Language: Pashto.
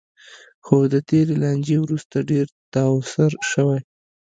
خو د تېرې لانجې وروسته ډېر تاوسر شوی.